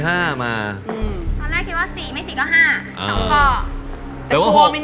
ตอนแรกคิดว่า๔ไม่๔ก็๕